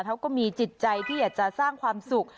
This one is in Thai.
เขาก็มีจิตใจที่อยากจะสร้างความสุข